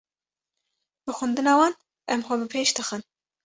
Bi xwendina wan em xwe bi pêş dixin.